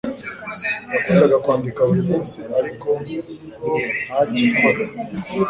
Yakundaga kwandika buri munsi, ariko ntagikora.